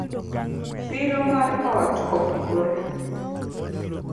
Siro mar ot omukore.